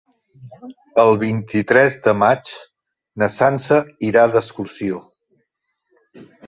El vint-i-tres de maig na Sança irà d'excursió.